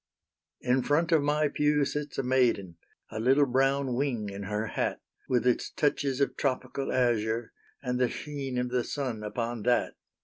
In front of my pew sits a maiden A little brown wing in her hat, With its touches of tropical azure, And the sheen of the sun upon that.